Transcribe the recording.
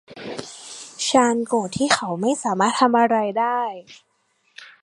ชาร์ลโกรธที่เขาไม่สามารถทำอะไรได้